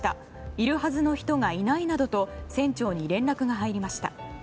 いるはずの人がいないなどと船長に連絡が入りました。